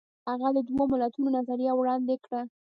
هغه د دوه ملتونو نظریه وړاندې کړه.